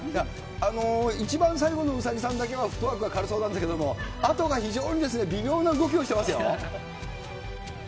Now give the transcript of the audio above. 一番最後のうさぎさんだけはフットワークが軽そうなんですけれども、あとが非常にですね、微妙な動きをしてますよ。